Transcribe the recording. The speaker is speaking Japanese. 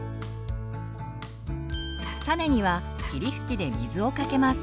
種には霧吹きで水をかけます。